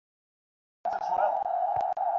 পুরুষ বা আত্মা অনেক, প্রত্যেকেই শুদ্ধ ও পূর্ণ।